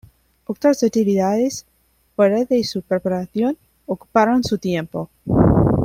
Otras actividades fuera de su preparación ocuparon su tiempo.